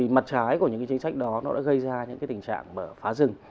mặt trái của những chính sách đó đã gây ra những tình trạng phá rừng